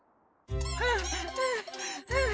はあはあはあ。